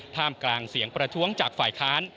ท่ามกลางเสียงประท้วงจากฝ่ายค้าน